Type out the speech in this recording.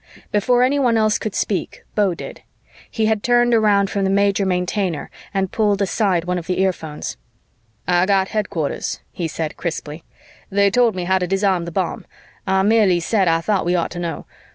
Before anyone else could speak, Beau did. He had turned around from the Major Maintainer and pulled aside one of the earphones. "I got headquarters," he said crisply. "They told me how to disarm the bomb I merely said I thought we ought to know.